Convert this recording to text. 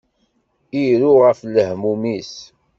Iru ɣef lehmum-is.